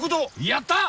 やった！